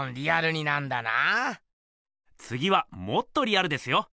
つぎはもっとリアルですよ。